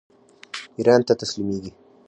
ایران ته تسلیمیږي.